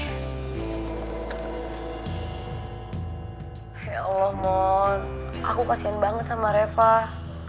ya allah mon aku kasian banget sama refah